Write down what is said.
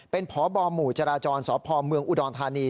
เป็นพบหมู่จราจรสพเมืองอุดรธานี